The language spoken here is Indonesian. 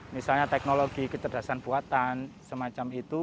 misalnya teknologi kecerdasan buatan semacam itu